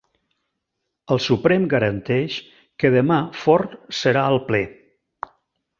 El Suprem garanteix que demà Forn serà al ple